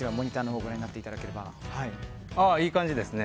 いい感じですね。